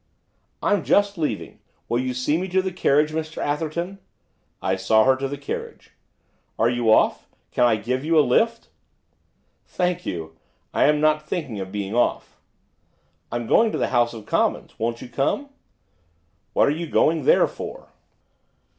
'I'm just leaving. Will you see me to the carriage, Mr Atherton?' I saw her to the carriage. 'Are you off? can I give you a lift?' 'Thank you, I am not thinking of being off.' 'I'm going to the House of Commons, won't you come?' 'What are you going there for?